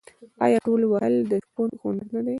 آیا تولې وهل د شپون هنر نه دی؟